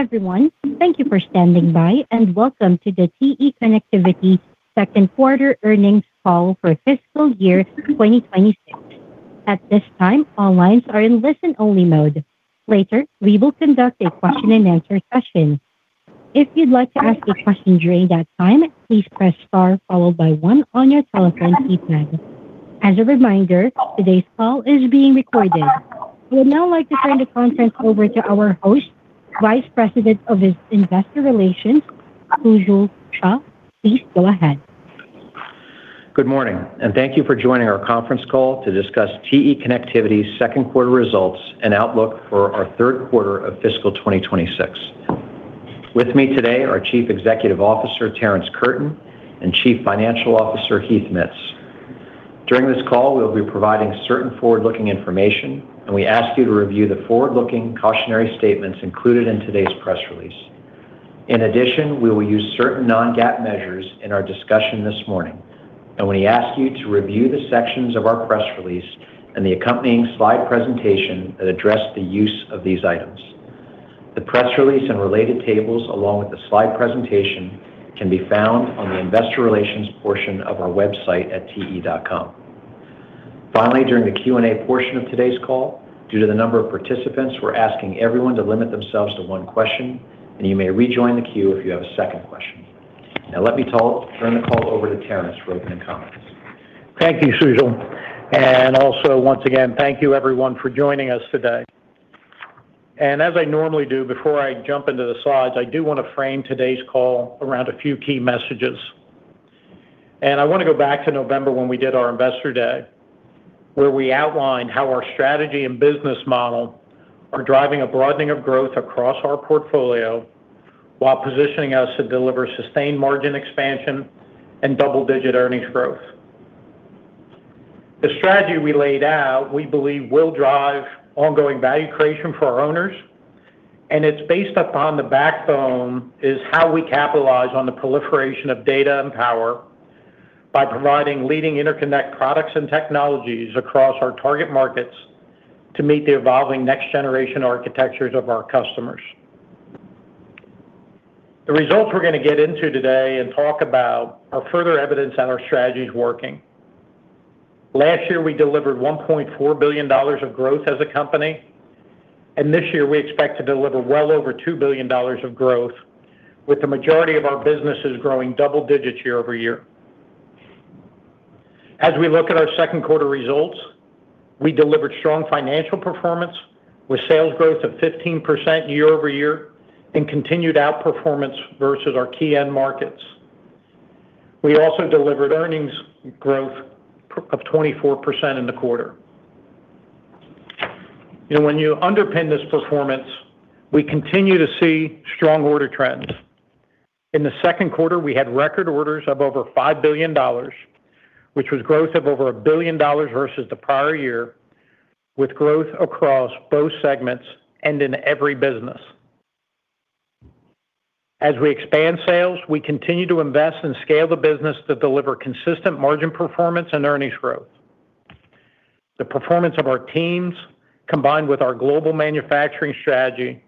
Everyone, thank you for standing by, and welcome to the TE Connectivity second quarter earnings call for fiscal year 2026. At this time, all lines are in listen-only mode. Later, we will conduct a question and answer session. If you'd like to ask a question during that time, please press star followed by one on your telephone keypad. As a reminder, today's call is being recorded. I would now like to turn the conference over to our host, Vice President of Investor Relations, Sujal Shah. Please go ahead. Good morning, and thank you for joining our conference call to discuss TE Connectivity's second quarter results and outlook for our third quarter of fiscal 2026. With me today are Chief Executive Officer, Terrence Curtin, and Chief Financial Officer, Heath Mitts. During this call, we'll be providing certain forward-looking information, and we ask you to review the forward-looking cautionary statements included in today's press release. In addition, we will use certain non-GAAP measures in our discussion this morning, and we ask you to review the sections of our press release and the accompanying slide presentation that address the use of these items. The press release and related tables, along with the slide presentation, can be found on the investor relations portion of our website at te.com. Finally, during the Q&A portion of today's call, due to the number of participants, we're asking everyone to limit themselves to one question, and you may rejoin the queue if you have a second question. Now, let me turn the call over to Terrence for opening comments. Thank you, Sujal, and also, once again, thank you, everyone, for joining us today. As I normally do, before I jump into the slides, I do want to frame today's call around a few key messages. I want to go back to November when we did our investor day, where we outlined how our strategy and business model are driving a broadening of growth across our portfolio while positioning us to deliver sustained margin expansion and double-digit earnings growth. The strategy we laid out, we believe will drive ongoing value creation for our owners, and it's based upon the backbone of how we capitalize on the proliferation of data and power by providing leading interconnect products and technologies across our target markets to meet the evolving next-generation architectures of our customers. The results we're going to get into today and talk about are further evidence that our strategy's working. Last year, we delivered $1.4 billion of growth as a company, and this year we expect to deliver well over $2 billion of growth, with the majority of our businesses growing double digits year-over-year. As we look at our second quarter results, we delivered strong financial performance with sales growth of 15% year-over-year and continued outperformance versus our key end markets. We also delivered earnings growth of 24% in the quarter. When you underpin this performance, we continue to see strong order trends. In the second quarter, we had record orders of over $5 billion, which was growth of over $1 billion versus the prior year, with growth across both segments and in every business. As we expand sales, we continue to invest and scale the business to deliver consistent margin performance and earnings growth. The performance of our teams, combined with our global manufacturing strategy,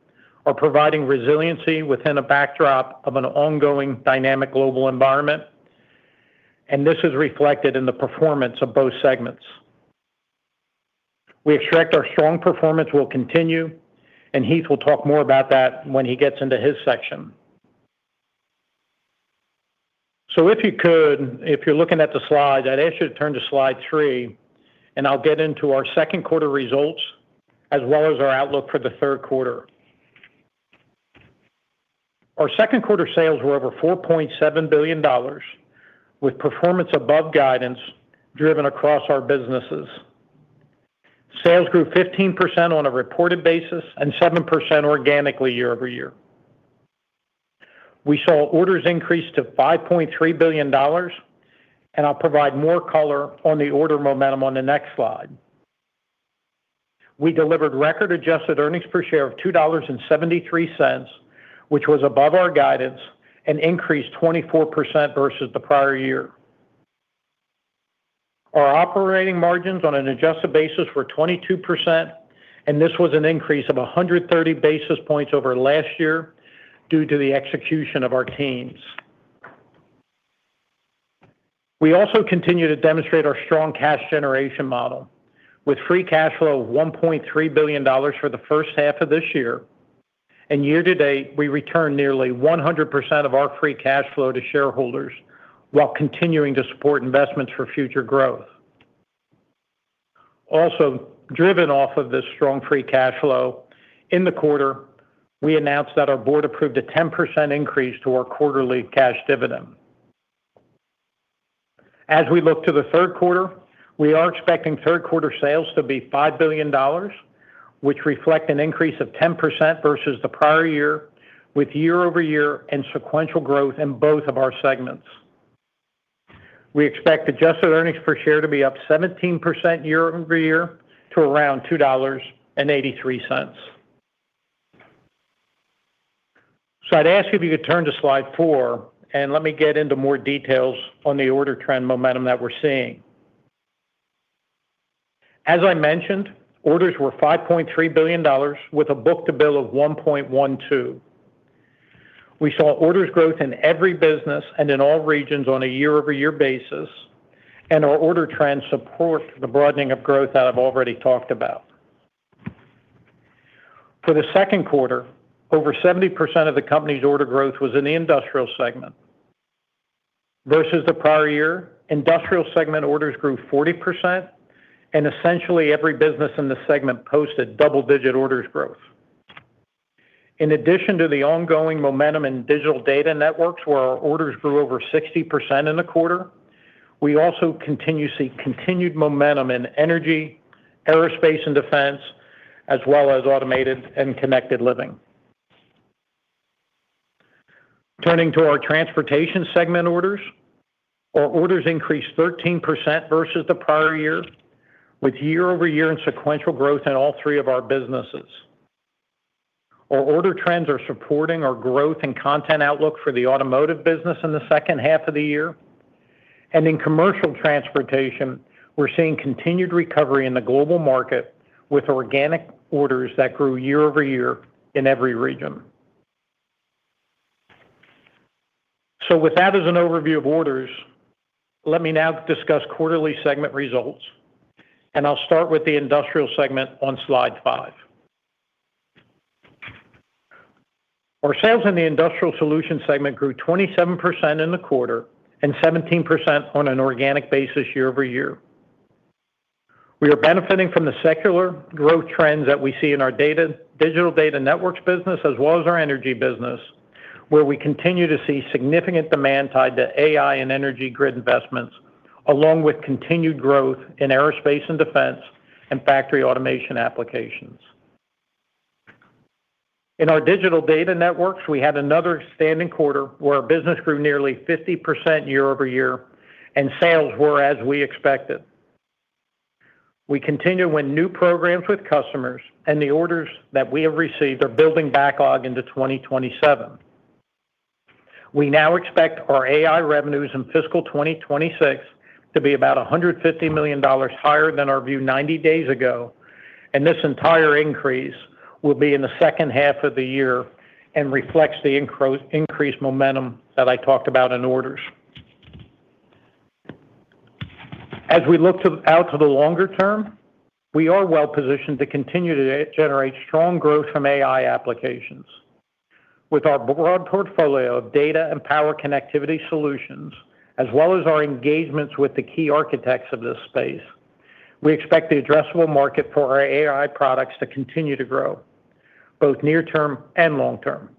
are providing resiliency within a backdrop of an ongoing dynamic global environment. This is reflected in the performance of both segments. We expect our strong performance will continue, and Heath will talk more about that when he gets into his section. If you could, if you're looking at the slides, I'd ask you to turn to slide three, and I'll get into our second quarter results as well as our outlook for the third quarter. Our second quarter sales were over $4.7 billion with performance above guidance driven across our businesses. Sales grew 15% on a reported basis and 7% organically year-over-year. We saw orders increase to $5.3 billion, and I'll provide more color on the order momentum on the next slide. We delivered record-adjusted earnings per share of $2.73, which was above our guidance, and increased 24% versus the prior year. Our operating margins on an adjusted basis were 22%, and this was an increase of 130 basis points over last year due to the execution of our teams. We also continue to demonstrate our strong cash generation model with free cash flow of $1.3 billion for the first half of this year. Year to date, we returned nearly 100% of our free cash flow to shareholders while continuing to support investments for future growth. Also driven off of this strong free cash flow, in the quarter, we announced that our board approved a 10% increase to our quarterly cash dividend. As we look to the third quarter, we are expecting third quarter sales to be $5 billion, which reflect an increase of 10% versus the prior year with year-over-year and sequential growth in both of our segments. We expect adjusted earnings per share to be up 17% year-over-year to around $2.83. I'd ask if you could turn to slide four and let me get into more details on the order trend momentum that we're seeing. As I mentioned, orders were $5.3 billion with a book-to-bill of 1.12. We saw orders growth in every business and in all regions on a year-over-year basis, and our order trends support the broadening of growth that I've already talked about. For the second quarter, over 70% of the company's order growth was in the industrial segment versus the prior year. Industrial Segment orders grew 40%, and essentially every business in the segment posted double-digit orders growth. In addition to the ongoing momentum in Digital Data Networks, where our orders grew over 60% in the quarter, we also continue to see continued momentum in energy, aerospace, and defense, as well as Automation and Connected Living. Turning to our Transportation Segment orders, Our orders increased 13% versus the prior year, with year-over-year and sequential growth in all three of our businesses. Our order trends are supporting our growth and content outlook for the automotive business in the second half of the year. In commercial transportation, we're seeing continued recovery in the global market with organic orders that grew year-over-year in every region. With that as an overview of orders, let me now discuss quarterly segment results, and I'll start with the Industrial Segment on slide 5. Our sales in the Industrial Solutions segment grew 27% in the quarter and 17% on an organic basis year-over-year. We are benefiting from the secular growth trends that we see in our Digital Data Networks business, as well as our energy business, where we continue to see significant demand tied to AI and energy grid investments, along with continued growth in aerospace and defense, and factory automation applications. In our Digital Data Networks, we had another standout quarter where our business grew nearly 50% year-over-year and sales were as we expected. We continue to win new programs with customers, and the orders that we have received are building backlog into 2027. We now expect our AI revenues in fiscal 2026 to be about $150 million higher than our view 90 days ago, and this entire increase will be in the second half of the year and reflects the increased momentum that I talked about in orders. As we look out to the longer term, we are well-positioned to continue to generate strong growth from AI applications. With our broad portfolio of data and power connectivity solutions, as well as our engagements with the key architects of this space, we expect the addressable market for our AI products to continue to grow, both near-term and long-term.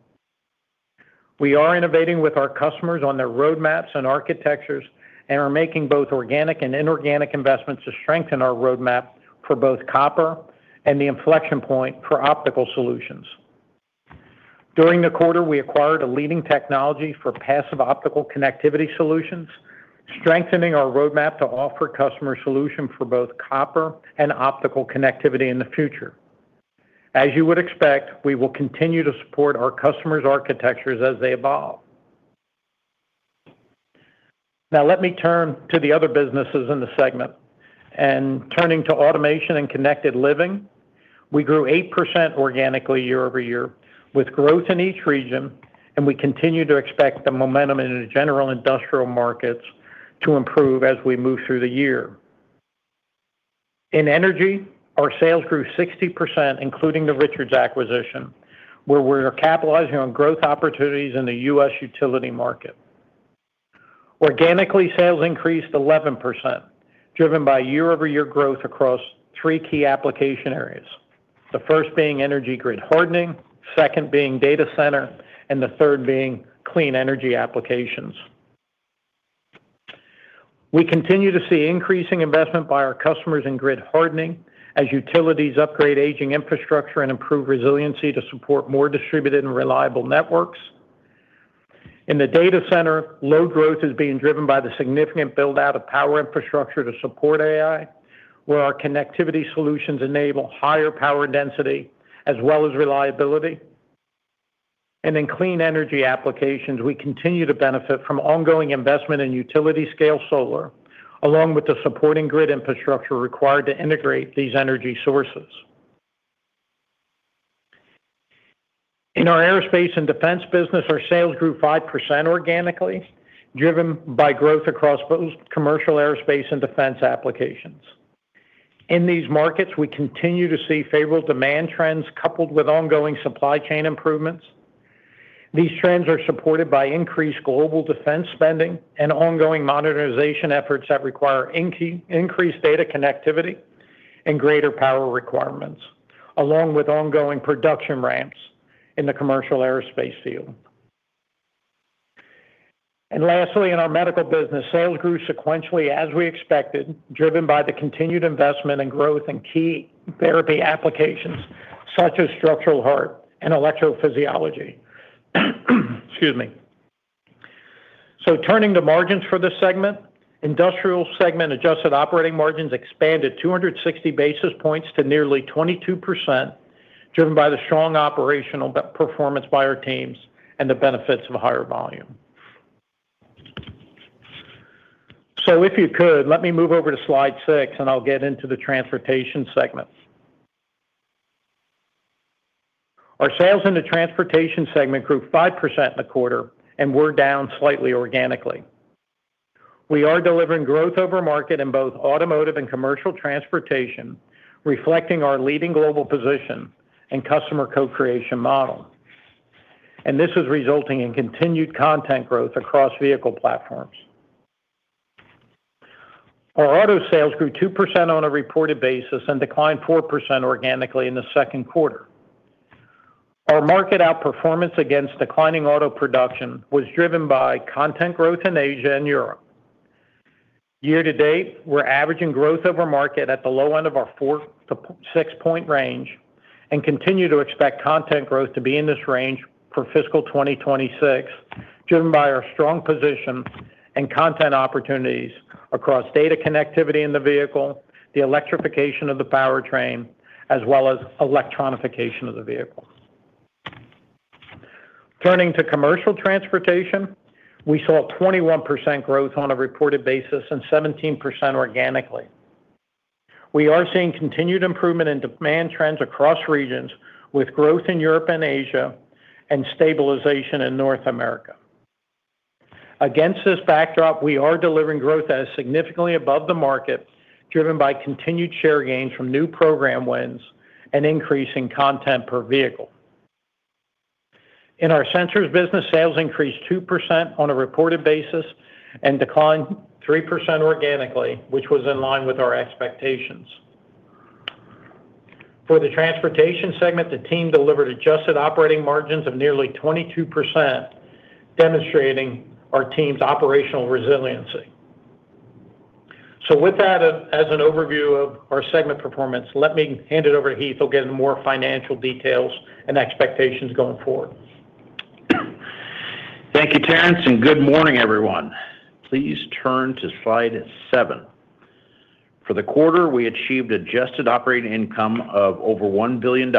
We are innovating with our customers on their roadmaps and architectures and are making both organic and inorganic investments to strengthen our roadmap for both copper and the inflection point for optical solutions. During the quarter, we acquired a leading technology for passive optical connectivity solutions, strengthening our roadmap to offer customer solutions for both copper and optical connectivity in the future. As you would expect, we will continue to support our customers' architectures as they evolve. Now let me turn to the other businesses in the segment, turning to Automation and Connected Living, we grew 8% organically year-over-year with growth in each region, and we continue to expect the momentum in the general industrial markets to improve as we move through the year. In Energy, our sales grew 60%, including the Richards acquisition, where we're capitalizing on growth opportunities in the U.S. utility market. Organically, sales increased 11%, driven by year-over-year growth across three key application areas. The first being energy grid hardening, second being data centers, and the third being clean energy applications. We continue to see increasing investment by our customers in grid hardening as utilities upgrade aging infrastructure and improve resiliency to support more distributed and reliable networks. In the data center, load growth is being driven by the significant build-out of power infrastructure to support AI, where our connectivity solutions enable higher power density as well as reliability. In clean energy applications, we continue to benefit from ongoing investment in utility scale solar, along with the supporting grid infrastructure required to integrate these energy sources. In our aerospace and defense business, our sales grew 5% organically, driven by growth across both commercial aerospace and defense applications. In these markets, we continue to see favorable demand trends coupled with ongoing supply chain improvements. These trends are supported by increased global defense spending and ongoing modernization efforts that require increased data connectivity and greater power requirements, along with ongoing production ramps in the commercial aerospace field. Lastly, in our medical business, sales grew sequentially as we expected, driven by the continued investment and growth in key therapy applications such as structural heart and electrophysiology. Excuse me. Turning to margins for this segment. Industrial segment adjusted operating margins expanded 260 basis points to nearly 22%, driven by the strong operational performance by our teams and the benefits of a higher volume. If you could, let me move over to slide six, and I'll get into the Transportation segment. Our sales in the Transportation segment grew 5% in the quarter and were down slightly organically. We are delivering growth over market in both automotive and commercial transportation, reflecting our leading global position and customer co-creation model. This is resulting in continued content growth across vehicle platforms. Our auto sales grew 2% on a reported basis and declined 4% organically in the second quarter. Our market outperformance against declining auto production was driven by content growth in Asia and Europe. Year-to-date, we're averaging growth over market at the low end of our 4-6-point range and continue to expect content growth to be in this range for fiscal 2026, driven by our strong position and content opportunities across data connectivity in the vehicle, the electrification of the powertrain, as well as electronification of the vehicles. Turning to commercial transportation, we saw a 21% growth on a reported basis and 17% organically. We are seeing continued improvement in demand trends across regions with growth in Europe and Asia and stabilization in North America. Against this backdrop, we are delivering growth that is significantly above the market, driven by continued share gains from new program wins and increase in content per vehicle. In our sensors business, sales increased 2% on a reported basis and declined 3% organically, which was in line with our expectations. For the Transportation segment, the team delivered adjusted operating margins of nearly 22%, demonstrating our team's operational resiliency. With that as an overview of our segment performance, let me hand it over to Heath, who'll give more financial details and expectations going forward. Thank you, Terrence, and good morning, everyone. Please turn to slide seven. For the quarter, we achieved adjusted operating income of over $1 billion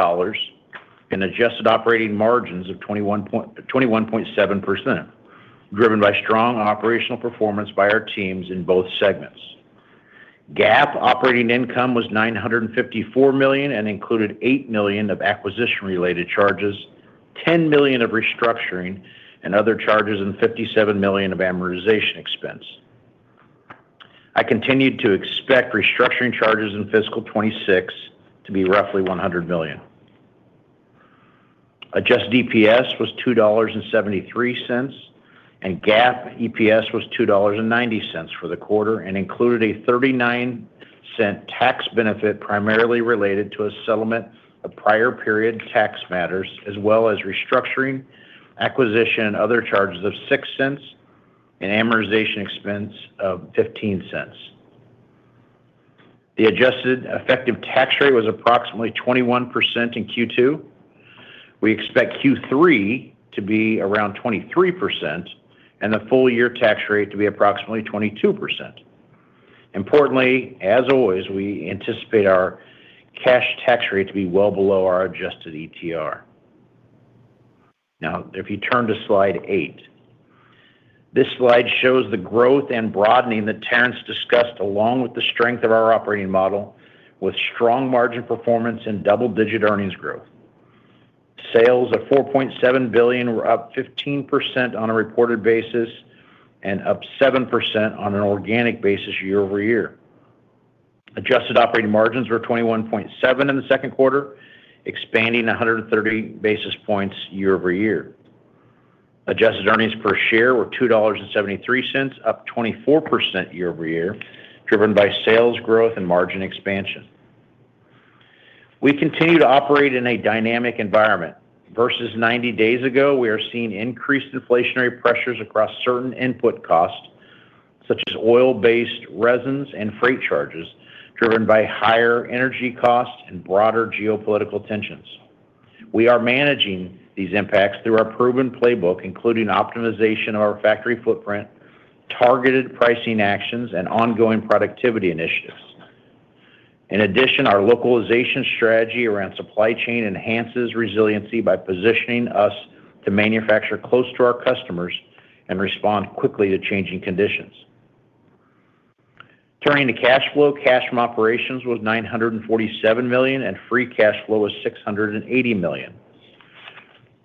and adjusted operating margins of 21.7%, driven by strong operational performance by our teams in both segments. GAAP operating income was $954 million and included $8 million of acquisition-related charges, $10 million of restructuring and other charges, and $57 million of amortization expense. I continue to expect restructuring charges in fiscal 2026 to be roughly $100 million. Adjusted EPS was $2.73, and GAAP EPS was $2.90 for the quarter and included a $0.39 tax benefit primarily related to a settlement of prior period tax matters, as well as restructuring, acquisition, and other charges of $0.06 and amortization expense of $0.15. The adjusted effective tax rate was approximately 21% in Q2. We expect Q3 to be around 23% and the full-year tax rate to be approximately 22%. Importantly, as always, we anticipate our cash tax rate to be well below our adjusted ETR. Now, if you turn to slide eight. This slide shows the growth and broadening that Terrence discussed, along with the strength of our operating model, with strong margin performance and double-digit earnings growth. Sales of $4.7 billion were up 15% on a reported basis and up 7% on an organic basis year-over-year. Adjusted operating margins were 21.7% in the second quarter, expanding 130 basis points year-over-year. Adjusted earnings per share were $2.73, up 24% year-over-year, driven by sales growth and margin expansion. We continue to operate in a dynamic environment. Versus 90 days ago, we are seeing increased inflationary pressures across certain input costs, such as oil-based resins and freight charges, driven by higher energy costs and broader geopolitical tensions. We are managing these impacts through our proven playbook, including optimization of our factory footprint, targeted pricing actions, and ongoing productivity initiatives. In addition, our localization strategy around supply chain enhances resiliency by positioning us to manufacture close to our customers and respond quickly to changing conditions. Turning to cash flow, cash from operations was $947 million, and free cash flow was $680 million.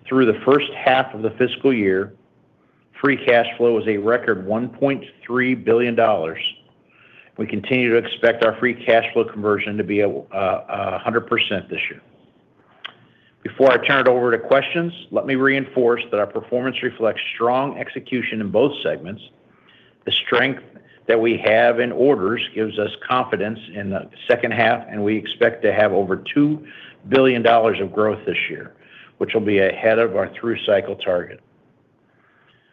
Through the first half of the fiscal year, free cash flow was a record $1.3 billion. We continue to expect our free cash flow conversion to be 100% this year. Before I turn it over to questions, let me reinforce that our performance reflects strong execution in both segments. The strength that we have in orders gives us confidence in the second half, and we expect to have over $2 billion of growth this year, which will be ahead of our through-cycle target.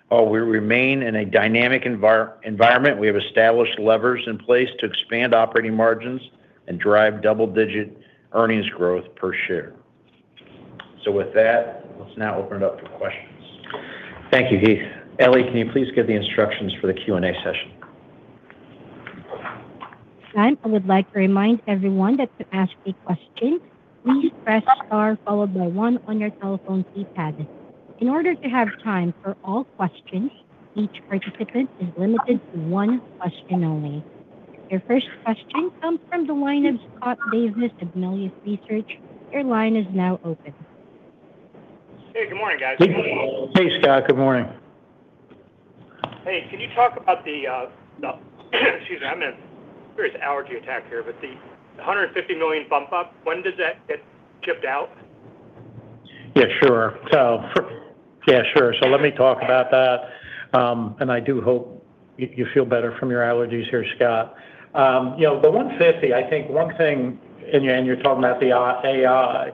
While we remain in a dynamic environment, we have established levers in place to expand operating margins and drive double-digit earnings growth per share. With that, let's now open it up to questions. Thank you, Heath. Ellie, can you please give the instructions for the Q&A session? I would like to remind everyone that to ask a question, please press star followed by one on your telephone keypad. In order to have time for all questions, each participant is limited to one question only. Your first question comes from the line of Scott Davis of Melius Research. Your line is now open. Hey, good morning, guys. Hey, Scott. Good morning. Hey, can you talk about. Excuse me. I'm having a serious allergy attack here, but the $150 million bump up, when does that get shipped out? Yeah, sure. Let me talk about that. I do hope you feel better from your allergies here, Scott. The 150, I think one thing, and you're talking about the AI,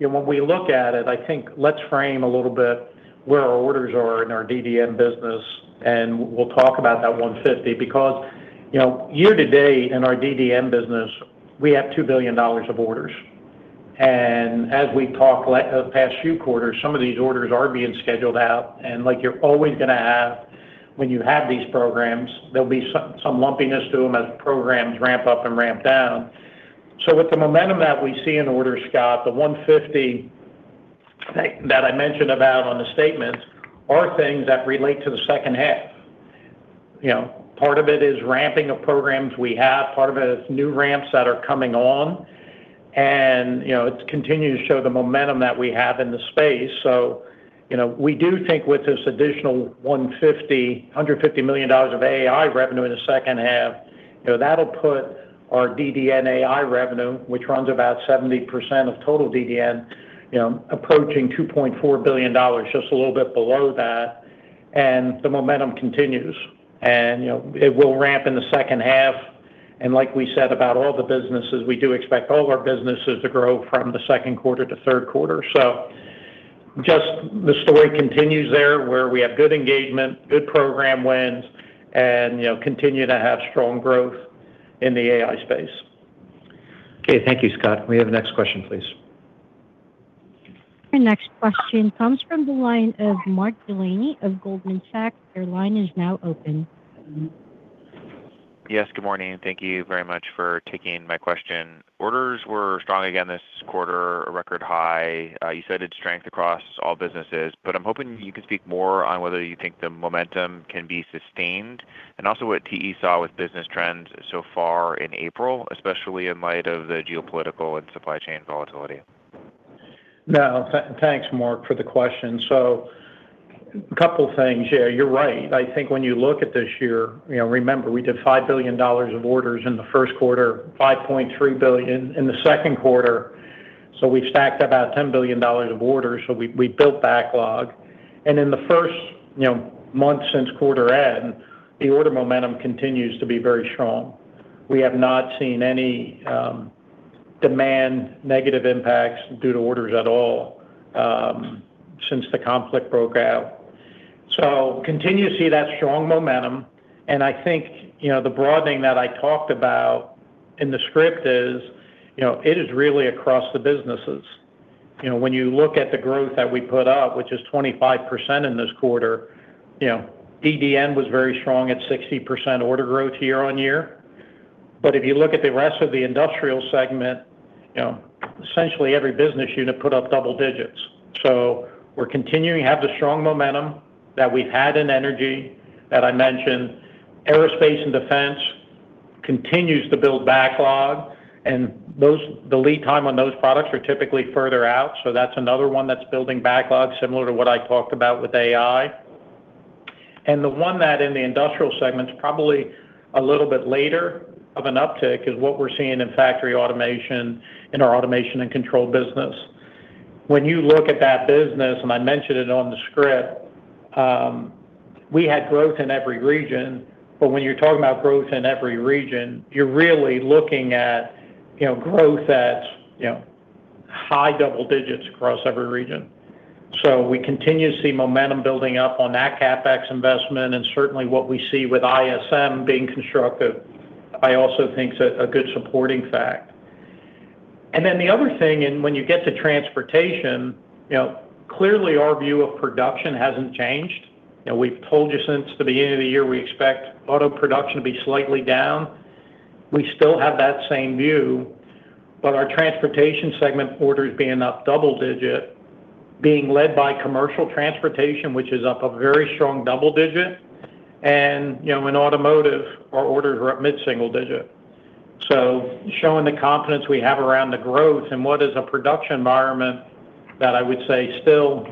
when we look at it, I think let's frame a little bit where our orders are in our DDN business, and we'll talk about that 150 because year to date in our DDN business, we have $2 billion of orders. As we talk past few quarters, some of these orders are being scheduled out, and like you're always going to have when you have these programs, there'll be some lumpiness to them as programs ramp up and ramp down. With the momentum that we see in orders, Scott, the 150 that I mentioned about on the statements are things that relate to the second half. Part of it is ramping of programs we have. Part of it is new ramps that are coming on. It continues to show the momentum that we have in the space. We do think with this additional $150 million of AI revenue in the second half, that'll put our DDN AI revenue, which runs about 70% of total DDN, approaching $2.4 billion, just a little bit below that. The momentum continues. It will ramp in the second half, and like we said about all the businesses, we do expect all of our businesses to grow from the second quarter to third quarter. Just the story continues there where we have good engagement, good program wins, and continue to have strong growth in the AI space. Okay. Thank you, Scott. Can we have the next question, please? The next question comes from the line of Mark Delaney of Goldman Sachs. Your line is now open. Yes, good morning. Thank you very much for taking my question. Orders were strong again this quarter, a record high. You cited strength across all businesses, but I'm hoping you could speak more on whether you think the momentum can be sustained and also what TE saw with business trends so far in April, especially in light of the geopolitical and supply chain volatility. Thanks, Mark, for the question. A couple things. Yeah, you're right. I think when you look at this year, remember, we did $5 billion of orders in the first quarter, $5.3 billion in the second quarter. We've stacked about $10 billion of orders. We built backlog. In the first month since quarter end, the order momentum continues to be very strong. We have not seen any demand negative impacts due to orders at all since the conflict broke out. Continue to see that strong momentum, and I think the broadening that I talked about in the script is really across the businesses. When you look at the growth that we put up, which is 25% in this quarter, DDN was very strong at 60% order growth year-over-year. If you look at the rest of the industrial segment, essentially every business unit put up double digits. We're continuing to have the strong momentum that we've had in energy that I mentioned. Aerospace and defense continues to build backlog, and the lead time on those products are typically further out. That's another one that's building backlog, similar to what I talked about with AI. The one that in the industrial segment is probably a little bit later of an uptick is what we're seeing in factory automation in our automation and control business. When you look at that business, and I mentioned it on the script, we had growth in every region, but when you're talking about growth in every region, you're really looking at growth at high double digits across every region. We continue to see momentum building up on that CapEx investment, and certainly what we see with ISM being constructive, I also think is a good supporting fact. Then the other thing, when you get to transportation, clearly our view of production hasn't changed. We've told you since the beginning of the year we expect auto production to be slightly down. We still have that same view, but our transportation segment orders being up double-digit, being led by commercial transportation, which is up a very strong double-digit. In automotive, our orders are up mid-single-digit. Showing the confidence we have around the growth and what is a production environment that I would say still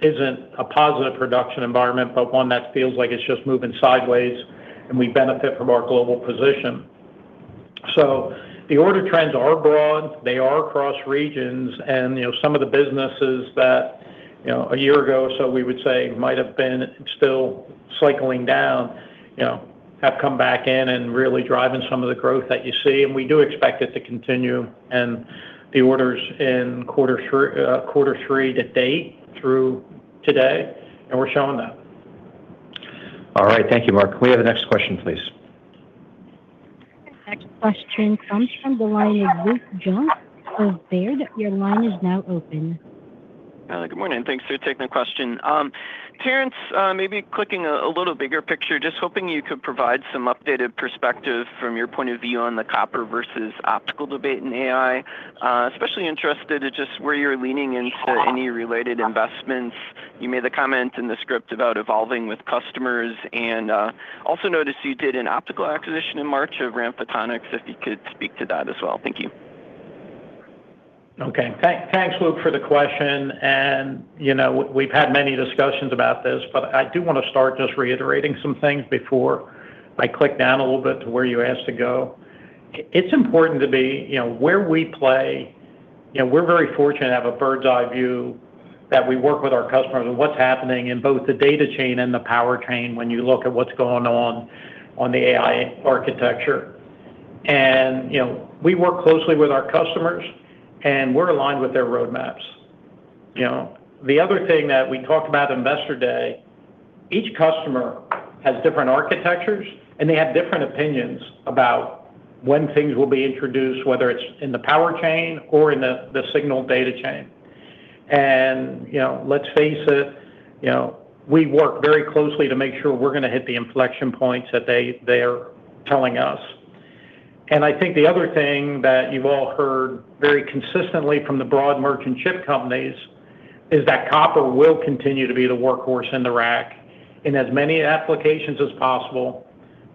isn't a positive production environment, but one that feels like it's just moving sideways and we benefit from our global position. The order trends are broad. They are across regions and some of the businesses that a year or so we would say might have been still cycling down have come back in and really driving some of the growth that you see, and we do expect it to continue and the orders in quarter three to date through today, and we're showing that. All right. Thank you, Mark. Can we have the next question, please? Next question comes from the line of Luke Junk of Baird. Your line is now open. Good morning. Thanks for taking the question. Terrence, maybe taking a little bigger picture, just hoping you could provide some updated perspective from your point of view on the copper versus optical debate in AI. Especially interested in just where you're leaning into any related investments. You made the comment in the script about evolving with customers, and also noticed you did an optical acquisition in March of RAM Photonics, if you could speak to that as well. Thank you. Okay. Thanks, Luke, for the question. We've had many discussions about this, but I do want to start just reiterating some things before I click down a little bit to where you asked to go. It's important to be, where we play, we're very fortunate to have a bird's eye view that we work with our customers on what's happening in both the data chain and the power chain when you look at what's going on on the AI architecture. We work closely with our customers, and we're aligned with their roadmaps. The other thing that we talked about at Investor Day, each customer has different architectures, and they have different opinions about when things will be introduced, whether it's in the power chain or in the signal data chain. Let's face it, we work very closely to make sure we're going to hit the inflection points that they are telling us. I think the other thing that you've all heard very consistently from the broad merchant silicon companies is that copper will continue to be the workhorse in the rack in as many applications as possible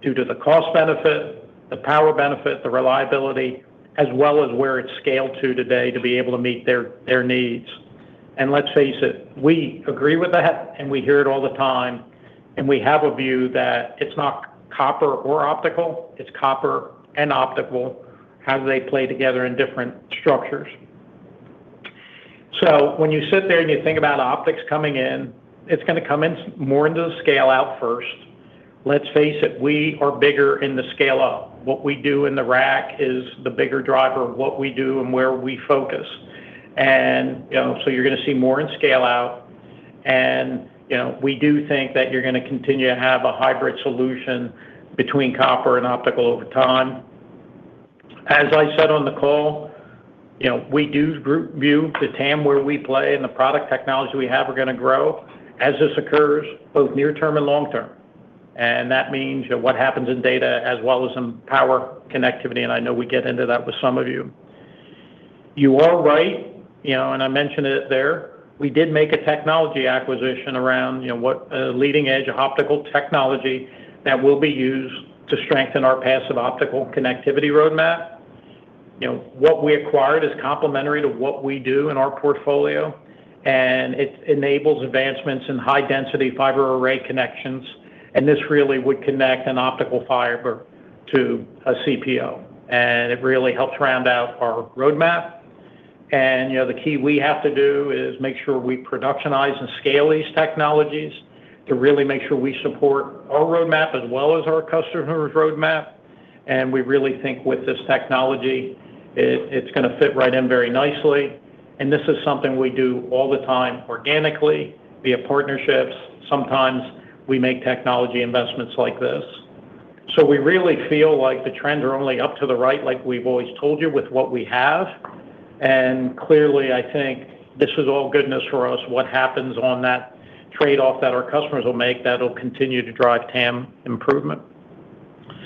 due to the cost benefit, the power benefit, the reliability, as well as where it's scaled to today to be able to meet their needs. Let's face it, we agree with that, and we hear it all the time, and we have a view that it's not copper or optical, it's copper and optical. How do they play together in different structures? When you sit there and you think about optics coming in, it's going to come in more into the scale-out first. Let's face it, we are bigger in the scale-up. What we do in the rack is the bigger driver of what we do and where we focus. You're going to see more in scale-out, and we do think that you're going to continue to have a hybrid solution between copper and optical over time. As I said on the call, we do view the TAM where we play and the product technology we have are going to grow as this occurs, both near term and long term. That means what happens in data as well as in power connectivity, and I know we get into that with some of you. You are right, and I mentioned it there. We did make a technology acquisition around leading-edge optical technology that will be used to strengthen our passive optical connectivity roadmap. What we acquired is complementary to what we do in our portfolio, and it enables advancements in high-density fiber array connections, and this really would connect an optical fiber to a CPO. It really helps round out our roadmap. The key we have to do is make sure we productionize and scale these technologies to really make sure we support our roadmap as well as our customer's roadmap. We really think with this technology, it's going to fit right in very nicely. This is something we do all the time organically via partnerships. Sometimes we make technology investments like this. We really feel like the trends are only up to the right, like we've always told you with what we have. Clearly, I think this is all goodness for us. What happens on that trade-off that our customers will make, that'll continue to drive TAM improvement.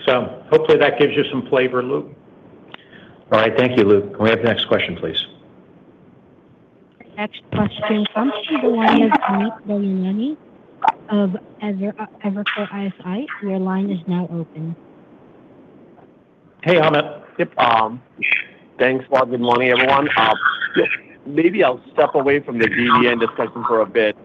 Hopefully that gives you some flavor, Luke. All right. Thank you, Luke. Can we have the next question, please? Next question comes from the line of Amit Daryanani of Evercore ISI. Your line is now open. Hey, Amit. Thanks, Bob. Good morning, everyone. Maybe I'll step away from the DDN discussion for a bit.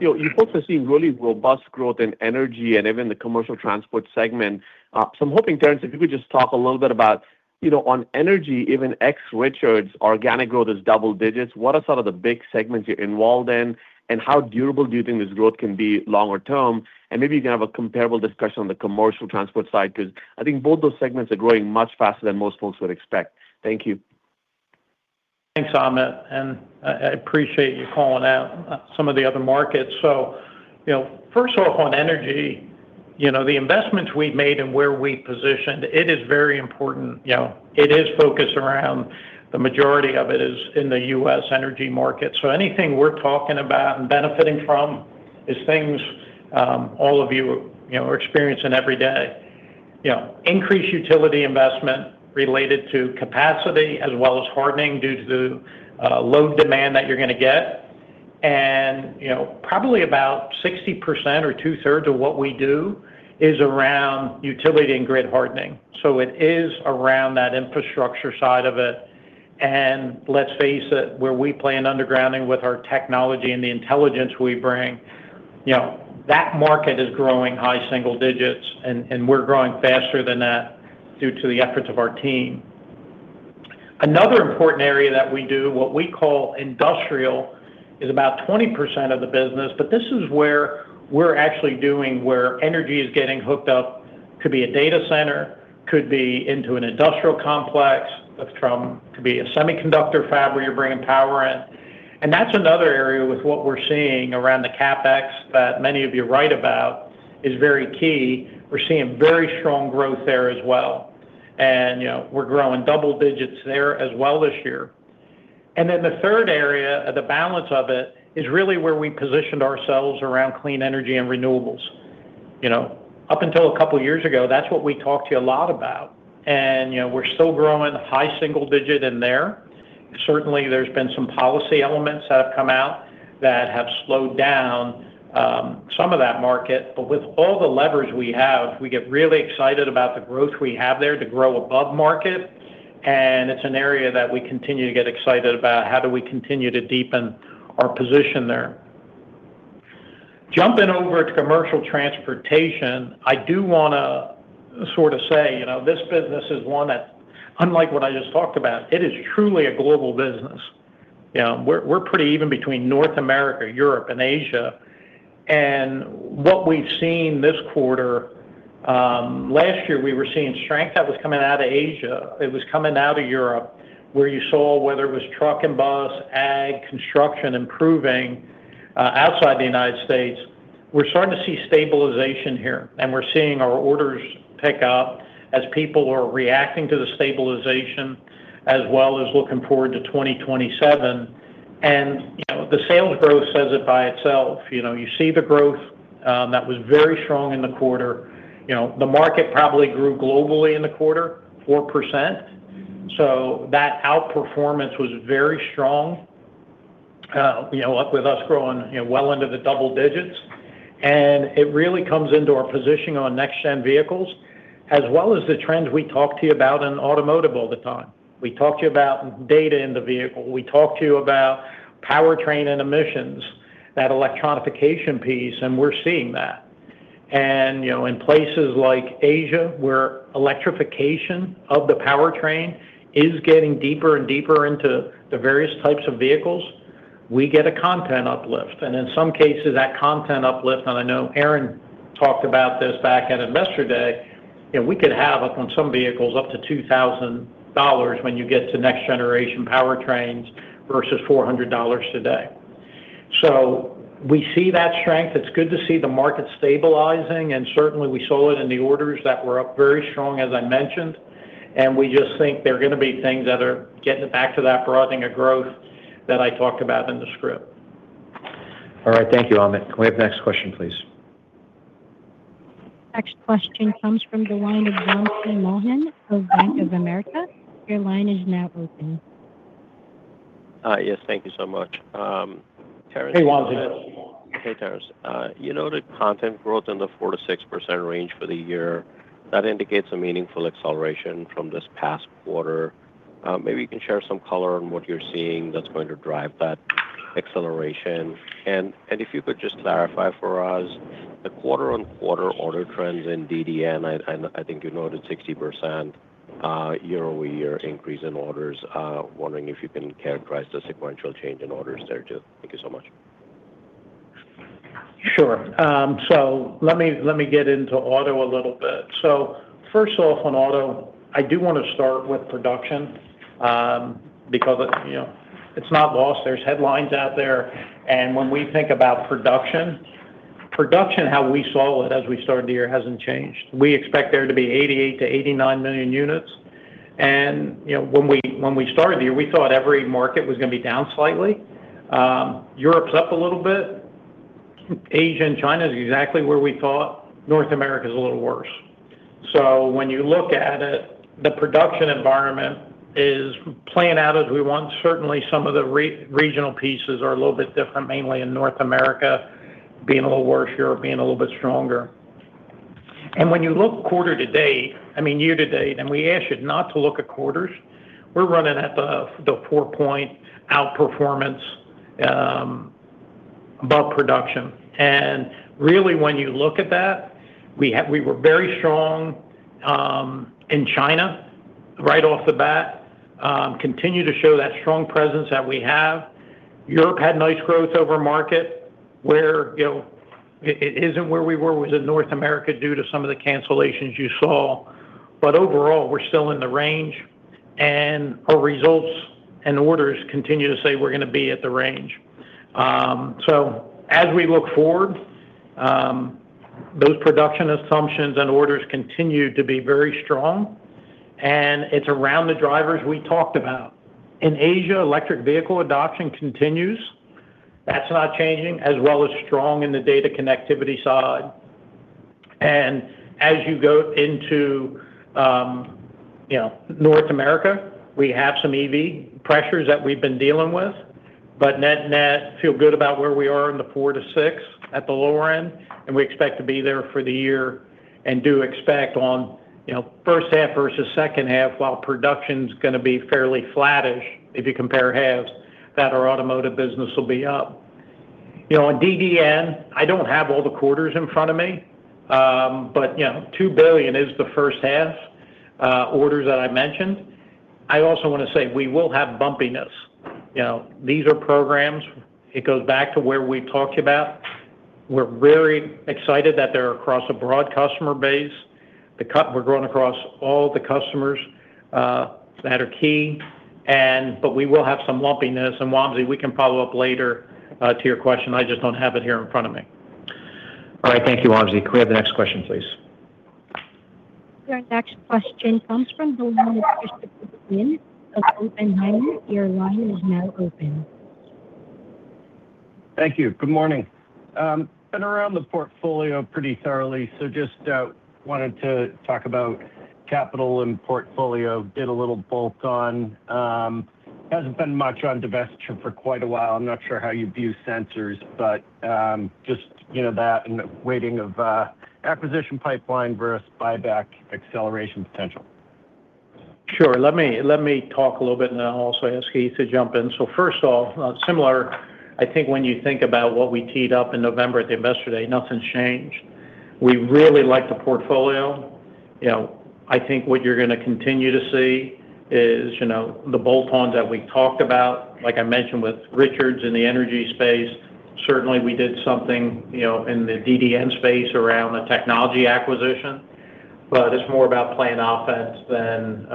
You folks are seeing really robust growth in energy and even the commercial transport segment. I'm hoping, Terrence, if you could just talk a little bit about on energy, even ex Richards, organic growth is double digits. What are some of the big segments you're involved in, and how durable do you think this growth can be longer term? Maybe you can have a comparable discussion on the commercial transport side, because I think both those segments are growing much faster than most folks would expect. Thank you. Thanks, Amit, and I appreciate you calling out some of the other markets. First off on energy, the investments we've made and where we positioned, it is very important. It is focused around the majority of it is in the U.S. energy market. Anything we're talking about and benefiting from is things all of you are experiencing every day, increased utility investment related to capacity as well as hardening due to the load demand that you're going to get. Probably about 60% or two-thirds of what we do is around utility and grid hardening. It is around that infrastructure side of it, and let's face it, where we play in undergrounding with our technology and the intelligence we bring, that market is growing high single digits, and we're growing faster than that due to the efforts of our team. Another important area that we do, what we call industrial, is about 20% of the business. This is where we're actually doing where energy is getting hooked up. Could be a data center, could be into an industrial complex. Could be a semiconductor fab where you're bringing power in. That's another area with what we're seeing around the CapEx that many of you write about is very key. We're seeing very strong growth there as well. We're growing double digits there as well this year. The third area, the balance of it, is really where we positioned ourselves around clean energy and renewables. Up until a couple of years ago, that's what we talked to you a lot about. We're still growing high single digit in there. Certainly, there's been some policy elements that have come out that have slowed down some of that market. With all the leverage we have, we get really excited about the growth we have there to grow above market, and it's an area that we continue to get excited about. How do we continue to deepen our position there? Jumping over to commercial transportation, I do want to say this business is one that, unlike what I just talked about, it is truly a global business. We're pretty even between North America, Europe, and Asia. What we've seen this quarter, last year, we were seeing strength that was coming out of Asia. It was coming out of Europe, where you saw whether it was truck and bus, ag, construction, improving outside the United States. We're starting to see stabilization here, and we're seeing our orders pick up as people are reacting to the stabilization as well as looking forward to 2027. The sales growth says it by itself. You see the growth that was very strong in the quarter. The market probably grew globally in the quarter 4%. That outperformance was very strong with us growing well into the double digits. It really comes into our positioning on next gen vehicles, as well as the trends we talk to you about in automotive all the time. We talk to you about data in the vehicle. We talk to you about powertrain and emissions, that electronification piece, and we're seeing that. In places like Asia, where electrification of the powertrain is getting deeper and deeper into the various types of vehicles, we get a content uplift. In some cases, that content uplift, and I know Aaron talked about this back at Investor Day, we could have up to $2,000 on some vehicles when you get to next generation powertrains versus $400 today. We see that strength. It's good to see the market stabilizing, and certainly we saw it in the orders that were up very strong, as I mentioned. We just think they're going to be things that are getting it back to that broadening of growth that I talked about in the script. All right. Thank you, Amit. Can we have the next question, please? Next question comes from the line of Wamsi Mohan of Bank of America. Your line is now open. Yes. Thank you so much. Hey, Wamsi. Hey, Terrence. The content growth in the 4%-6% range for the year, that indicates a meaningful acceleration from this past quarter. Maybe you can share some color on what you're seeing that's going to drive that acceleration. If you could just clarify for us the quarter-on-quarter order trends in DDN, I think you noted 60% year-over-year increase in orders. Wondering if you can characterize the sequential change in orders there, too. Thank you so much. Sure. Let me get into auto a little bit. First off on auto, I do want to start with production because it's not lost. There's headlines out there, and when we think about production, how we saw it as we started the year, hasn't changed. We expect there to be 88-89 million units. When we started the year, we thought every market was going to be down slightly. Europe's up a little bit. Asia and China is exactly where we thought. North America is a little worse. When you look at it, the production environment is playing out as we want. Certainly, some of the regional pieces are a little bit different, mainly in North America being a little worse, Europe being a little bit stronger. When you look year to date, and we ask you not to look at quarters, we're running at the 4-point outperformance above production. Really, when you look at that, we were very strong in China right off the bat. We continue to show that strong presence that we have. Europe had nice growth over market. It isn't where we were with North America due to some of the cancellations you saw. Overall, we're still in the range, and our results and orders continue to say we're going to be at the range. As we look forward, those production assumptions and orders continue to be very strong, and it's around the drivers we talked about. In Asia, electric vehicle adoption continues. That's not changing, as well as it's strong in the data connectivity side. As you go into North America, we have some EV pressures that we've been dealing with, but net net, feel good about where we are in the 4%-6% at the lower end, and we expect to be there for the year and do expect on first half versus second half, while production's going to be fairly flattish if you compare halves, that our automotive business will be up. On DDN, I don't have all the quarters in front of me, but $2 billion is the first half orders that I mentioned. I also want to say we will have bumpiness. These are programs. It goes back to where we talked about. We're very excited that they're across a broad customer base. We're growing across all the customers that are key. We will have some lumpiness, and Wamsi, we can follow up later to your question. I just don't have it here in front of me. All right. Thank you, Wamsi. Can we have the next question, please? Your next question comes from the line of Christopher Glynn of Oppenheimer. Your line is now open. Thank you. Good morning. We've been around the portfolio pretty thoroughly, so just wanted to talk about capital and portfolio, did a little bolt-on. Hasn't been much on divestiture for quite a while. I'm not sure how you view sensors, but just that and the weighting of acquisition pipeline versus buyback acceleration potential. Sure. Let me talk a little bit, and then I'll also ask Heath to jump in. First off, similar, I think when you think about what we teed up in November at the Investor Day, nothing's changed. We really like the portfolio. I think what you're going to continue to see is the bolt-ons that we talked about. Like I mentioned with Richards in the energy space, certainly we did something in the DDN space around the technology acquisition. It's more about playing offense than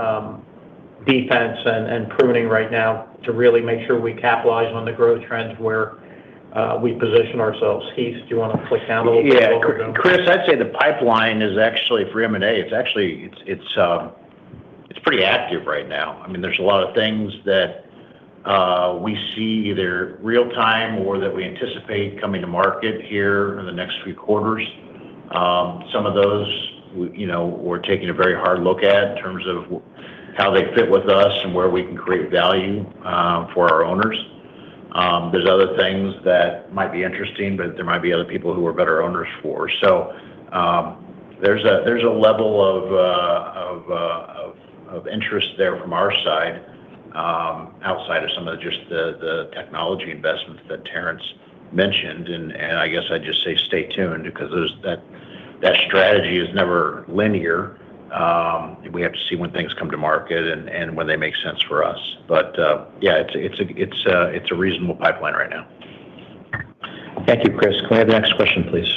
defense and pruning right now to really make sure we capitalize on the growth trends where we position ourselves. Heath, do you want to flesh out a little bit. Yeah. Chris, I'd say the pipeline is actually for M&A. It's pretty active right now. There's a lot of things that we see either real time or that we anticipate coming to market here in the next few quarters. Some of those we're taking a very hard look at in terms of how they fit with us and where we can create value for our owners. There's other things that might be interesting, but there might be other people who are better owners for. There's a level of interest there from our side outside of some of just the technology investments that Terrence mentioned. I guess I'd just say stay tuned because that strategy is never linear. We have to see when things come to market and when they make sense for us. Yeah, it's a reasonable pipeline right now. Thank you, Chris. Can we have the next question, please?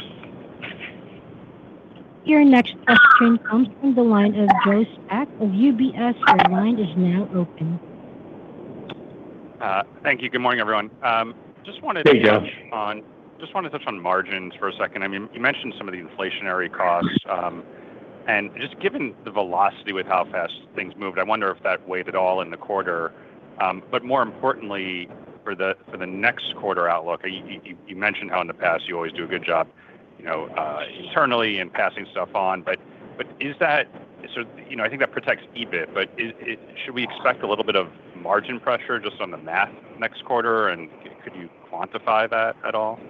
Your next question comes from the line of Joseph Spak of UBS. Your line is now open. Thank you. Good morning, everyone. Hey, Joe. Just wanted to touch on margins for a second. You mentioned some of the inflationary costs, and just given the velocity with how fast things moved, I wonder if that weighed at all in the quarter. More importantly for the next quarter outlook, you mentioned how in the past you always do a good job internally and passing stuff on. I think that protects EBIT, but should we expect a little bit of margin pressure just on the math next quarter? And could you quantify that at all?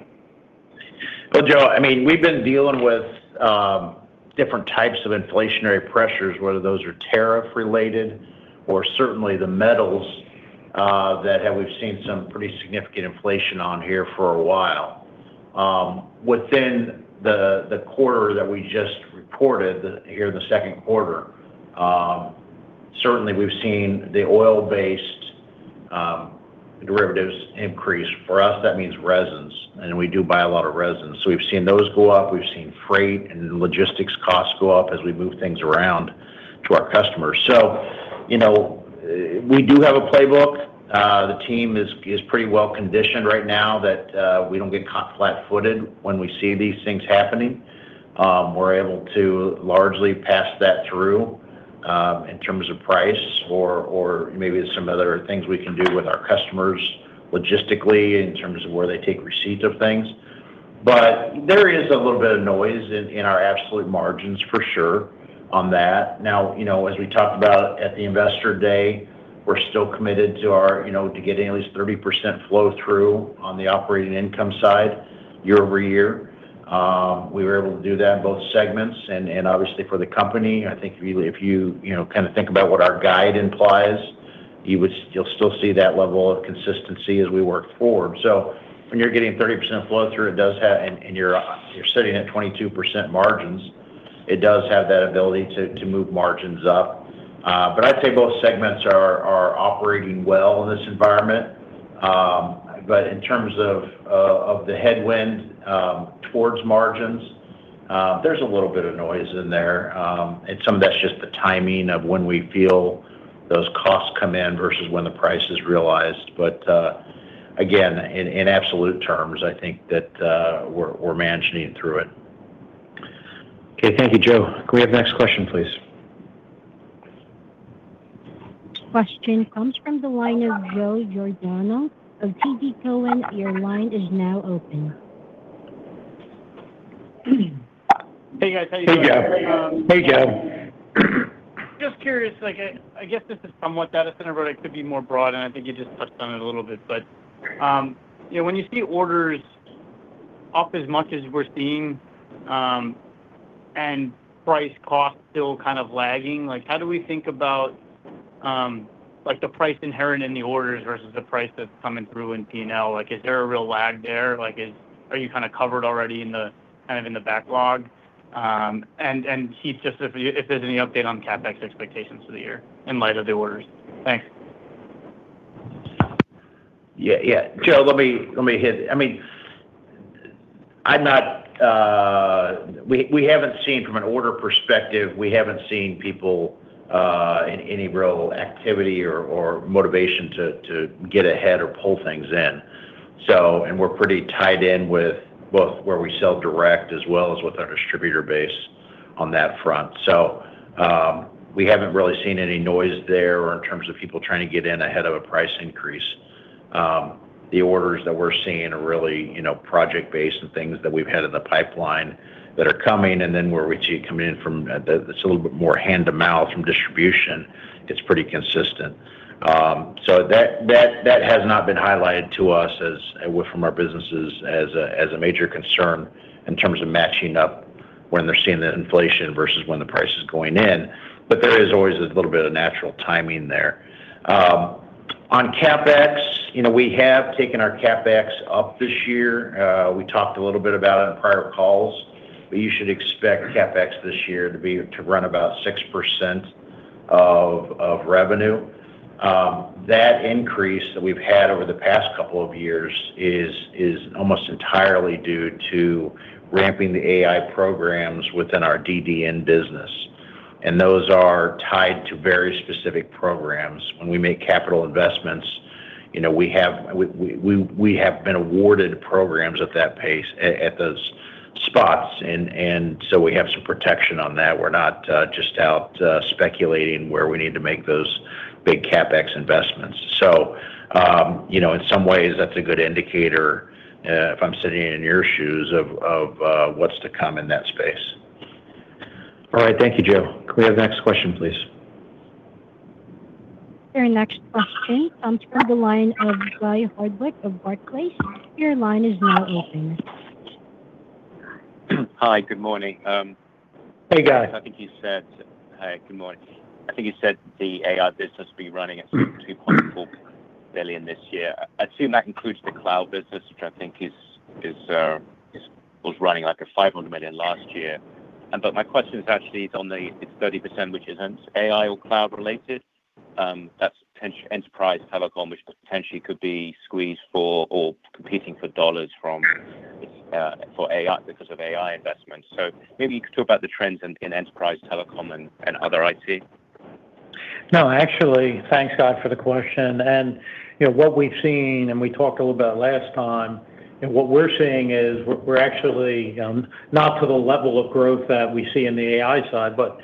Well, Joe, we've been dealing with different types of inflationary pressures, whether those are tariff-related or certainly the metals that we've seen some pretty significant inflation on here for a while. Within the quarter that we just reported here in the second quarter, certainly we've seen the oil-based derivatives increase. For us, that means resins, and we do buy a lot of resins. We've seen those go up. We've seen freight and logistics costs go up as we move things around to our customers. We do have a playbook. The team is pretty well-conditioned right now that we don't get caught flat-footed when we see these things happening. We're able to largely pass that through in terms of price or maybe some other things we can do with our customers logistically in terms of where they take receipt of things. There is a little bit of noise in our absolute margins for sure on that. Now, as we talked about at the Investor Day, we're still committed to getting at least 30% flow-through on the operating income side year-over-year. We were able to do that in both segments. Obviously for the company, I think really if you think about what our guide implies, you'll still see that level of consistency as we work forward. When you're getting 30% flow-through and you're sitting at 22% margins, it does have that ability to move margins up. I'd say both segments are operating well in this environment. In terms of the headwind towards margins, there's a little bit of noise in there. Some of that's just the timing of when we feel those costs come in versus when the price is realized. again, in absolute terms, I think that we're managing through it. Okay. Thank you, Joe. Can we have the next question, please? Question comes from the line of Joseph Giordano of TD Cowen. Your line is now open. Hey, guys. How you guys doing? Hey, Joe. Hey, Joe. Just curious, I guess this is somewhat data center, but it could be more broad, and I think you just touched on it a little bit. When you see orders up as much as we're seeing, and price cost still kind of lagging, how do we think about the price inherent in the orders versus the price that's coming through in P&L? Is there a real lag there? Are you kind of covered already in the backlog? Heath, just if there's any update on CapEx expectations for the year in light of the orders. Thanks. Yeah. Joe, let me hit it. I'm not We haven't seen from an order perspective, we haven't seen people, in any real activity or motivation to get ahead or pull things in. We're pretty tied in with both where we sell direct as well as with our distributor base on that front. We haven't really seen any noise there or in terms of people trying to get in ahead of a price increase. The orders that we're seeing are really project-based and things that we've had in the pipeline that are coming, and then where we see it coming in from, it's a little bit more hand-to-mouth from distribution, it's pretty consistent. That has not been highlighted to us from our businesses as a major concern in terms of matching up when they're seeing the inflation versus when the price is going in. There is always a little bit of natural timing there. On CapEx, we have taken our CapEx up this year. We talked a little bit about it in prior calls, but you should expect CapEx this year to run about 6% of revenue. That increase that we've had over the past couple of years is almost entirely due to ramping the AI programs within our DDN business, and those are tied to very specific programs. When we make capital investments, we have been awarded programs at that pace, at those spots. We have some protection on that. We're not just out speculating where we need to make those big CapEx investments. In some ways, that's a good indicator, if I'm sitting in your shoes, of what's to come in that space. All right. Thank you, Joe. Can we have the next question, please? Your next question comes from the line of Guy Hardwick of Barclays. Your line is now open. Hi, good morning. Hey, Guy. Hi, good morning. I think you said the AI business will be running at $2.4 billion this year. I assume that includes the cloud business, which I think was running like a $500 million last year. My question is actually on the 30%, which isn't AI or cloud related, that's enterprise telecom, which potentially could be squeezed for or competing for dollars because of AI investments. Maybe you could talk about the trends in enterprise telecom and other IT. No, actually, thanks, Guy, for the question. What we've seen, and we talked a little about it last time, and what we're seeing is we're actually, not to the level of growth that we see in the AI side, but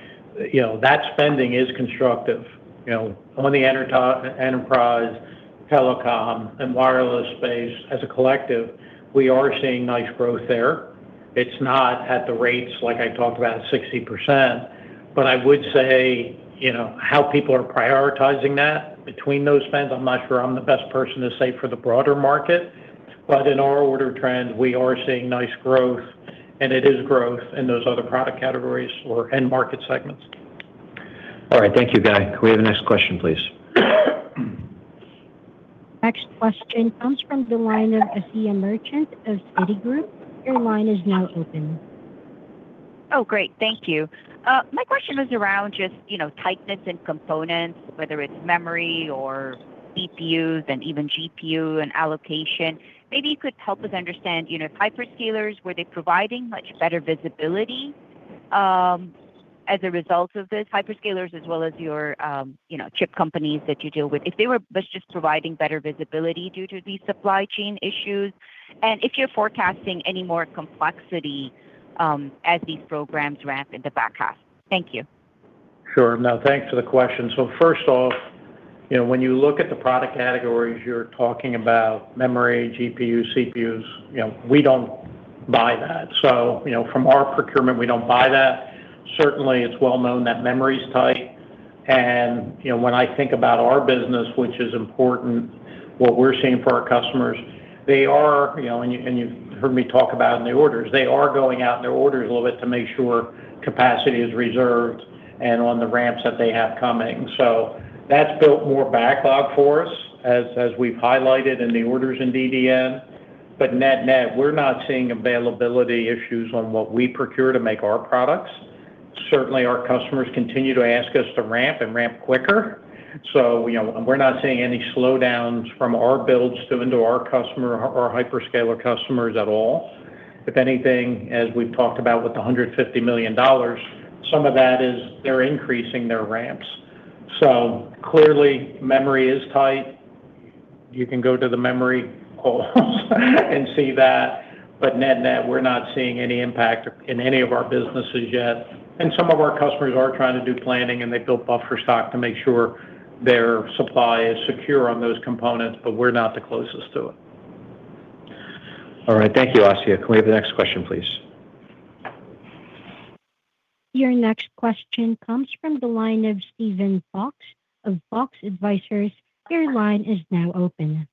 that spending is constructive. On the enterprise telecom and wireless space as a collective, we are seeing nice growth there. It's not at the rates like I talked about, 60%, but I would say how people are prioritizing that between those spends, I'm not sure I'm the best person to say for the broader market. But in our order trends, we are seeing nice growth, and it is growth in those other product categories or end market segments. All right. Thank you, Guy. Can we have the next question, please? Next question comes from the line of Asiya Merchant of Citigroup. Your line is now open. Oh, great. Thank you. My question was around just tightness in components, whether it's memory or CPUs and even GPU and allocation. Maybe you could help us understand hyperscalers, were they providing much better visibility as a result of this? Hyperscalers as well as your chip companies that you deal with, if they were just providing better visibility due to these supply chain issues, and if you're forecasting any more complexity as these programs ramp in the back half. Thank you. Sure. No, thanks for the question. First off, when you look at the product categories, you're talking about memory, GPUs, CPUs, we don't buy that. From our procurement, we don't buy that. Certainly, it's well-known that memory is tight, and when I think about our business, which is important, what we're seeing for our customers, and you've heard me talk about in the orders, they are going out in their orders a little bit to make sure capacity is reserved and on the ramps that they have coming. That's built more backlog for us as we've highlighted in the orders in DDN. Net-net, we're not seeing availability issues on what we procure to make our products. Certainly, our customers continue to ask us to ramp and ramp quicker. We're not seeing any slowdowns from our builds into our customer or hyperscaler customers at all. If anything, as we've talked about with the $150 million, some of that is they're increasing their ramps. Clearly, memory is tight. You can go to the memory calls and see that. Net net, we're not seeing any impact in any of our businesses yet. Some of our customers are trying to do planning, and they've built buffer stock to make sure their supply is secure on those components, but we're not the closest to it. All right. Thank you, Asiya. Can we have the next question, please? Your next question comes from the line of Steven Fox of Fox Advisors. Your line is now open.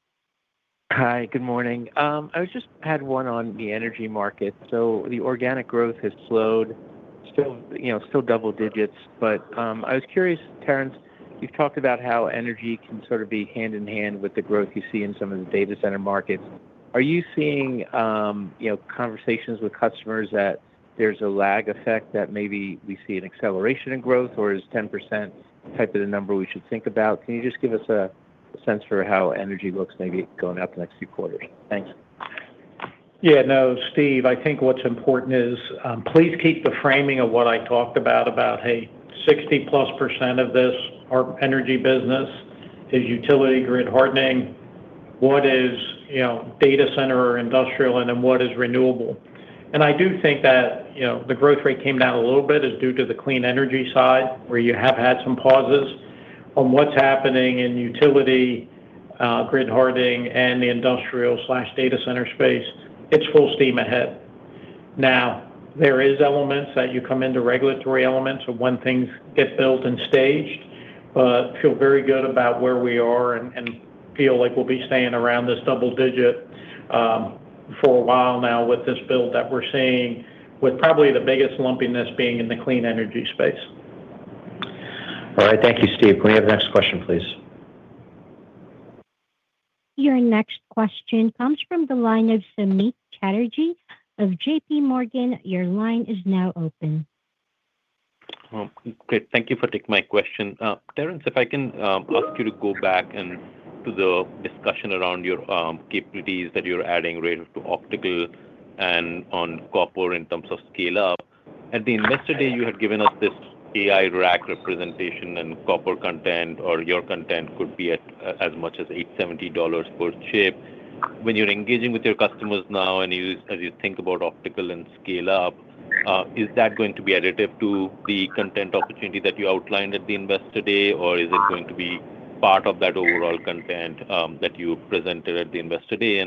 Hi, good morning. I just had one on the energy market. The organic growth has slowed, still double digits, but I was curious, Terrence, you've talked about how energy can sort of be hand in hand with the growth you see in some of the data center markets. Are you seeing conversations with customers that there's a lag effect that maybe we see an acceleration in growth, or is 10% type of the number we should think about? Can you just give us a- Sense for how energy looks maybe going out the next few quarters? Thanks. Yeah, no, Steve, I think what's important is please keep the framing of what I talked about, hey, 60%+ of this, our energy business is utility grid hardening. What is data center or industrial, and then what is renewable? I do think that the growth rate came down a little bit is due to the clean energy side, where you have had some pauses on what's happening in utility grid hardening and the industrial/data center space. It's full steam ahead. Now, there is elements that you come into regulatory elements of when things get built and staged. Feel very good about where we are and feel like we'll be staying around this double digit for a while now with this build that we're seeing, with probably the biggest lumpiness being in the clean energy space. All right. Thank you, Steve. Can we have the next question, please? Your next question comes from the line of Samik Chatterjee of J.P. Morgan. Your line is now open. Great. Thank you for taking my question. Terrence, if I can ask you to go back to the discussion around your capabilities that you're adding related to optical and copper in terms of scale up. At the Investor Day, you had given us this AI rack representation and copper content, or your content could be at as much as $870 per chip. When you're engaging with your customers now and as you think about optical and scale up, is that going to be additive to the content opportunity that you outlined at the Investor Day, or is it going to be part of that overall content that you presented at the Investor Day?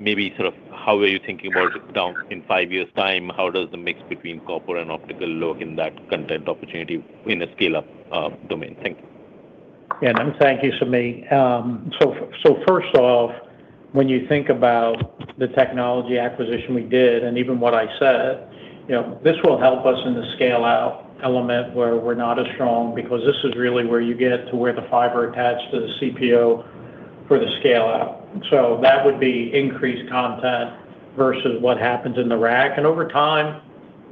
Maybe sort of how are you thinking about it down the line in five years' time, how does the mix between copper and optical look in that content opportunity in a scale-up domain? Thank you. Yeah. No, thank you, Samik. First off, when you think about the technology acquisition we did, and even what I said, this will help us in the scale-out element where we're not as strong, because this is really where you get to where the fiber attached to the CPO for the scale-out. That would be increased content versus what happens in the rack. Over time,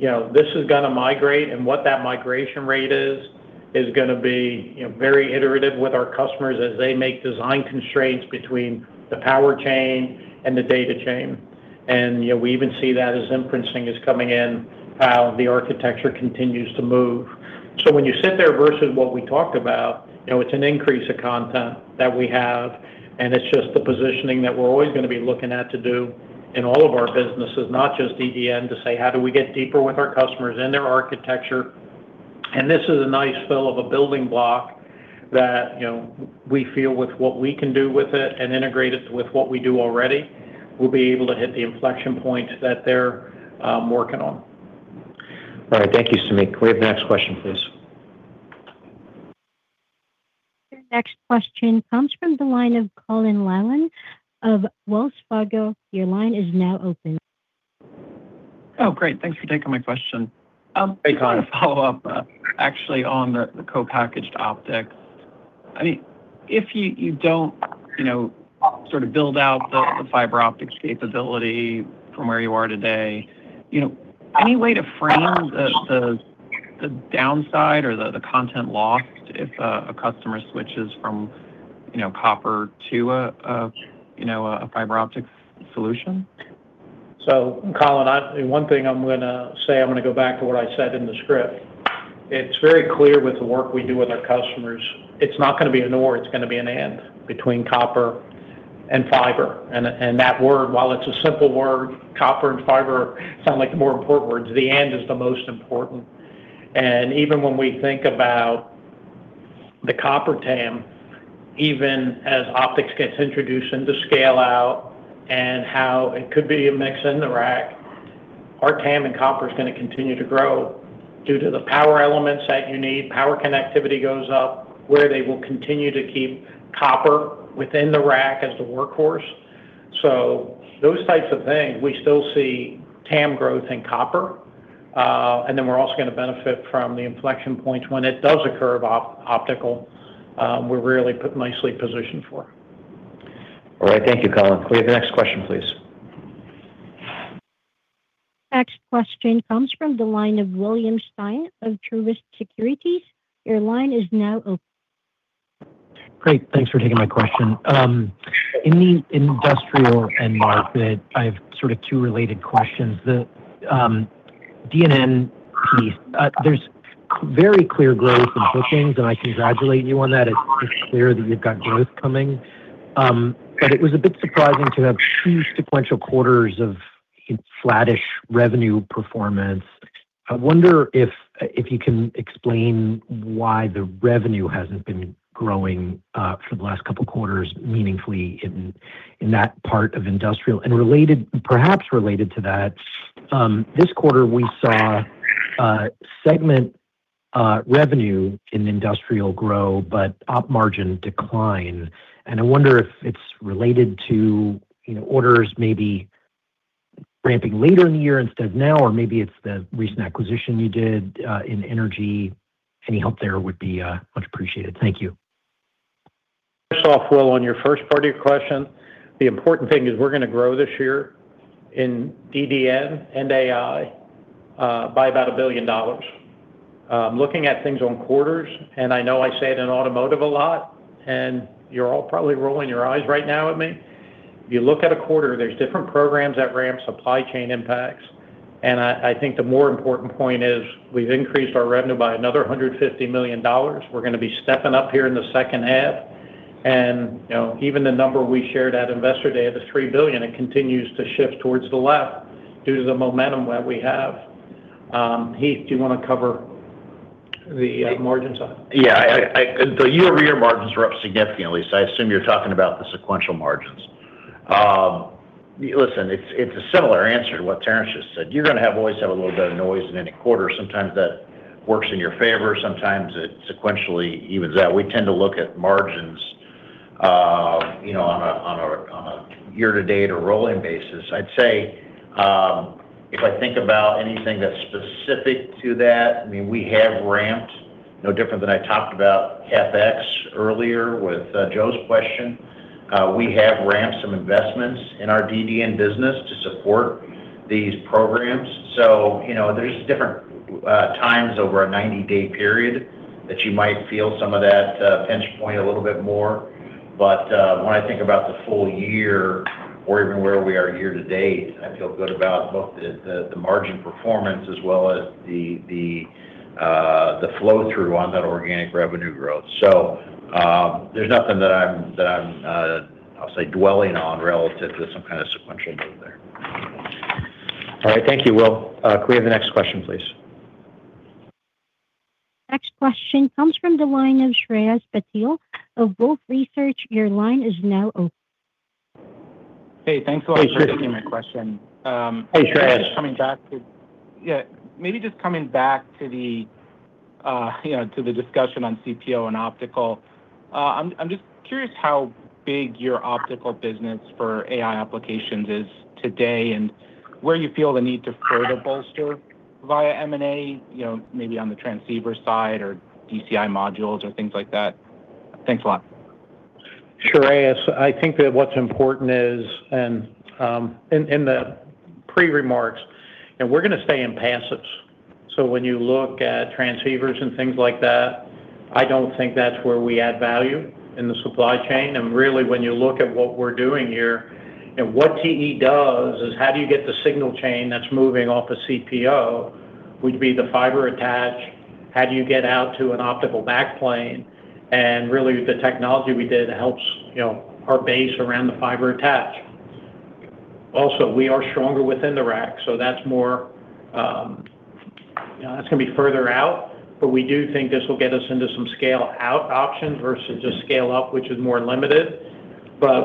this is going to migrate, and what that migration rate is going to be very iterative with our customers as they make design constraints between the power chain and the data chain. We even see that as printing is coming in, how the architecture continues to move. When you sit there versus what we talked about, it's an increase of content that we have, and it's just the positioning that we're always going to be looking at to do in all of our businesses, not just EDN, to say, how do we get deeper with our customers in their architecture? This is a nice fill of a building block that, we feel with what we can do with it and integrate it with what we do already, we'll be able to hit the inflection points that they're working on. All right. Thank you, Samik. Can we have the next question, please? Your next question comes from the line of Colin Langan of Wells Fargo. Your line is now open. Oh, great. Thanks for taking my question. Hey, Colin. A follow-up, actually, on the co-packaged optics. If you don't sort of build out the fiber optics capability from where you are today, any way to frame the downside or the content lost if a customer switches from copper to a fiber optics solution? Colin, one thing I'm going to say, I'm going to go back to what I said in the script. It's very clear with the work we do with our customers, it's not going to be an or, it's going to be an and between copper and fiber. That word, while it's a simple word, copper and fiber sound like the more important words, the and is the most important. Even when we think about the copper TAM, even as optics gets introduced into scale-out and how it could be a mix in the rack, our TAM and copper's going to continue to grow due to the power elements that you need. Power connectivity goes up where they will continue to keep copper within the rack as the workhorse. Those types of things, we still see TAM growth in copper. We're also going to benefit from the inflection points when it does occur of optical. We're really nicely positioned for it. All right. Thank you, Colin. Can we have the next question, please? Next question comes from the line of William Stein of Truist Securities. Your line is now open. Great. Thanks for taking my question. In the industrial end market, I have sort of two related questions. The DDN piece, there's very clear growth in bookings, and I congratulate you on that. It's clear that you've got growth coming. It was a bit surprising to have huge sequential quarters of flattish revenue performance. I wonder if you can explain why the revenue hasn't been growing for the last couple of quarters meaningfully in that part of industrial, and perhaps related to that, this quarter, we saw segment revenue in industrial grow, but op margin decline, and I wonder if it's related to orders maybe ramping later in the year instead of now, or maybe it's the recent acquisition you did in energy. Any help there would be much appreciated. Thank you. First off, Will, on your first part of your question, the important thing is we're going to grow this year in DDN and AI by about $1 billion. I'm looking at things on quarters, and I know I say it in automotive a lot, and you're all probably rolling your eyes right now at me. If you look at a quarter, there's different programs that ramp supply chain impacts. I think the more important point is we've increased our revenue by another $150 million. We're going to be stepping up here in the second half, and even the number we shared at Investor Day, the $3 billion, it continues to shift towards the left due to the momentum that we have. Heath, do you want to cover the margins? Yeah. The year-over-year margins were up significantly, so I assume you're talking about the sequential margins. Listen, it's a similar answer to what Terrence just said. You're going to always have a little bit of noise in any quarter. Sometimes that works in your favor, sometimes it sequentially evens out. We tend to look at margins on a year-to-date or rolling basis. I'd say, if I think about anything that's specific to that, we have ramped, no different than I talked about FX earlier with Joe's question. We have ramped some investments in our DDN business to support these programs. There's different times over a 90-day period that you might feel some of that pinch point a little bit more. When I think about the full year or even where we are year to date, I feel good about both the margin performance as well as the flow-through on that organic revenue growth. There's nothing that I'm, I'll say, dwelling on relative to some kind of sequential move there. All right. Thank you, Will. Could we have the next question, please? Next question comes from the line of Shreyas Patil of Wolfe Research. Your line is now open. Hey, thanks a lot for taking my question. Hey, Shreyas. Maybe just coming back to the discussion on CPO and optical, I'm just curious how big your optical business for AI applications is today, and where you feel the need to further bolster via M&A, maybe on the transceiver side or DCI modules or things like that. Thanks a lot. Shreyas, I think that what's important is, and in the pre-remarks, and we're going to stay impassive. When you look at transceivers and things like that, I don't think that's where we add value in the supply chain. Really when you look at what we're doing here and what TE does is how do you get the signal chain that's moving off a CPO, would be the fiber attach, how do you get out to an optical back plane? Really the technology we did helps our base around the fiber attach. Also, we are stronger within the rack, so that's going to be further out. We do think this will get us into some scale-out options versus a scale-up, which is more limited.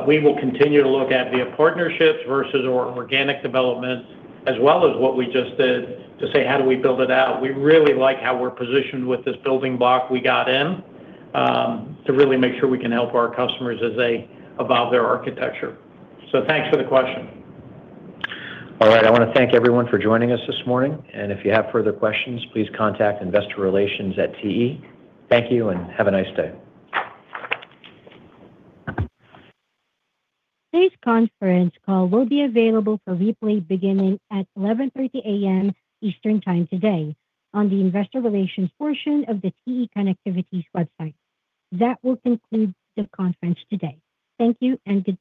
We will continue to look at via partnerships versus organic development, as well as what we just did to say, how do we build it out? We really like how we're positioned with this building block we got in, to really make sure we can help our customers as they evolve their architecture. Thanks for the question. All right. I want to thank everyone for joining us this morning, and if you have further questions, please contact investor relations at TE. Thank you and have a nice day. This conference call will be available for replay beginning at 11:30 A.M. Eastern Time today on the investor relations portion of TE Connectivity's website. That will conclude the conference today. Thank you and good day.